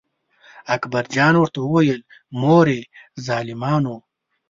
اکبر جان ورته وویل: مورې ظالمانو.